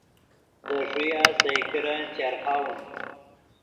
دے ݰویہ سئے کرن چرخاؤن